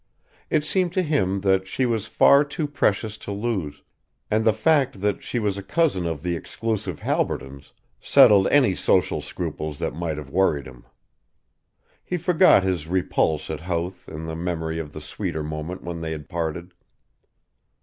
It seemed to him that she was far too precious to lose, and the fact that she was a cousin of the exclusive Halbertons settled any social scruples that might have worried him. He forgot his repulse at Howth in the memory of the sweeter moment when they had parted.